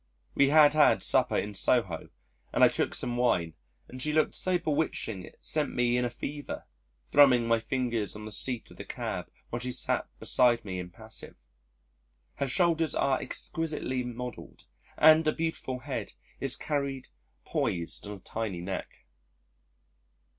We had had supper in Soho, and I took some wine, and she looked so bewitching it sent me in a fever, thrumming my fingers on the seat of the cab while she sat beside me impassive. Her shoulders are exquisitely modelled and a beautiful head is carried poised on a tiny neck.